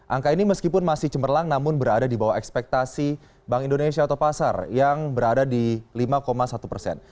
angka ini meskipun masih cemerlang namun berada di bawah ekspektasi bank indonesia atau pasar yang berada di lima satu persen